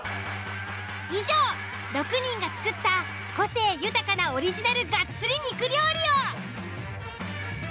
以上６人が作った個性豊かなオリジナルガッツリ肉料理を。